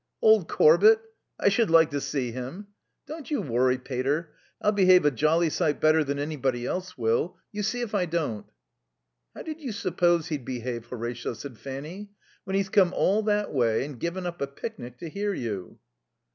Old Corbett? I should like to see him.... Don't you worry, pater, I'll behave a jolly sight better than anybody else will. You see if I don't." "How did you suppose he'd behave, Horatio?" said Fanny. "When he's come all that way and given up a picnic to hear you."